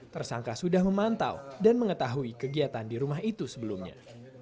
tersangka sudah memantau dan mengetahui kegiatan di rumah itu sebelumnya